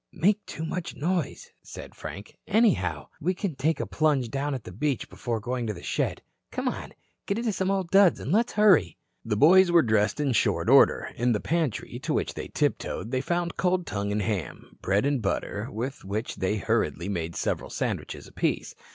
"Make too much noise," said Frank. "Anyhow, we can take a plunge down at the beach before going to the shed. Come on, get into some old duds and let's hurry." The boys were dressed in short order. In the pantry, to which they tiptoed, they found cold tongue and ham, bread and butter, with which they hurriedly made several sandwiches apiece.